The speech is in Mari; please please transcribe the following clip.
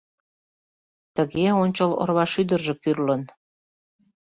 Тыге ончыл орвашӱдыржӧ кӱрлын.